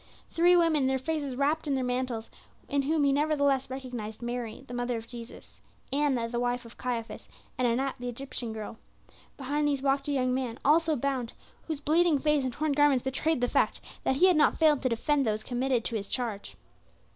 Three women, their faces wrapped in their mantles, in whom he nevertheless recognized Mary, the mother of Jesus, Anna, the wife of Caiaphas, and Anat the Egyptian girl. Behind these walked a young man, also bound, whose bleeding face and torn garments betrayed the fact that he had not failed to defend those committed to his charge.